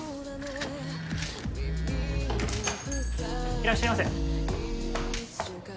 いらっしゃいませ。